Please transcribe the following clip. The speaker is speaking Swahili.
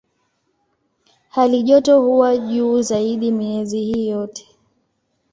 Halijoto huwa juu zaidi miezi hii yote.